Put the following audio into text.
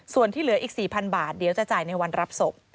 ส่วนที่เหลืออีก๔๐๐๐บาทเดี๋ยวจะจ่ายในวันรับศพ